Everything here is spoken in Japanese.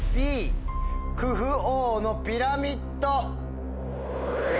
Ｂクフ王のピラミッド。